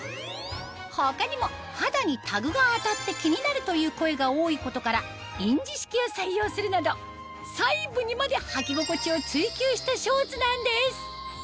他にも肌にタグが当たって気になるという声が多いことから印字式を採用するなど細部にまではき心地を追求したショーツなんです